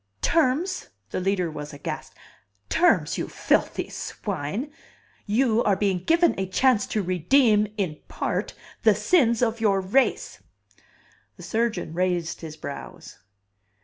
"Terms?" The Leader was aghast. "Terms, you filthy swine? You are being given a chance to redeem in part the sins of your race!" The surgeon raised his brows.